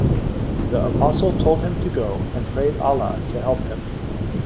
The apostle told him to go and prayed Allah to help him.